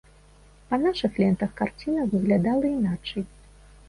Па нашых лентах карціна выглядала іначай.